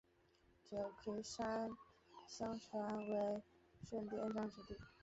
九嶷山相传为舜帝安葬之地。